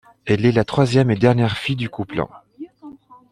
Elle est la troisième et dernière fille du couple.